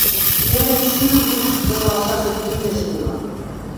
Тӹдӹн шӱдӹ пуд выжалышашлык киндӹжӹ улы.